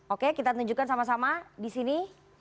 oke kita tunjukkan sama sama di sini